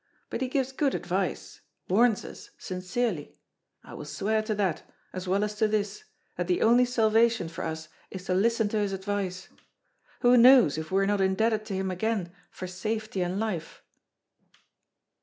But he gives good advice, warns us sincerely: I will swear to that, as well as to this, that the only salvation for us is to listen to his advice. Who knows if we are not indebted to him again, for safety and life?"